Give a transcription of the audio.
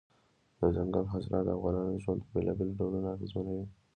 دځنګل حاصلات د افغانانو ژوند په بېلابېلو ډولونو اغېزمنوي.